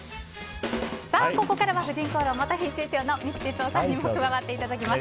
ここから「婦人公論」元編集長三木哲男さんにも加わっていただきます。